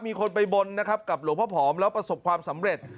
มีคนไปบนนะครับกับหลวงพ่อผอมแล้วประสบความสำเร็จ